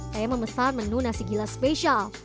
saya memesan menu nasi gila spesial